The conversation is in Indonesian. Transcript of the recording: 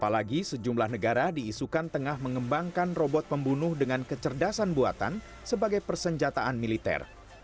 apalagi sejumlah negara diisukan tengah mengembangkan robot pembunuh dengan kecerdasan buatan sebagai persenjataan militer